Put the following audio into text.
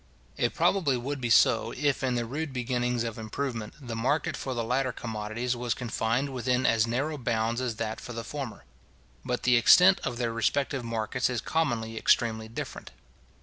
It probably would be so, if, in the rude beginnings of improvement, the market for the latter commodities was confined within as narrow bounds as that for the former. But the extent of their respective markets is commonly extremely different.